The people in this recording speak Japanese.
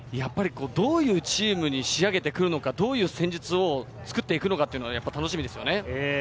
どういうチームに仕上げてくるのか、どういう戦術を作っていくのかというのが楽しみですね。